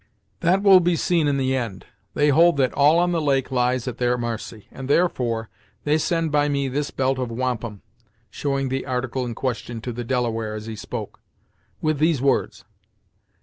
"That will be seen in the end. They hold that all on the lake lies at their marcy, and, therefore, they send by me this belt of wampum," showing the article in question to the Delaware, as he spoke, "with these words.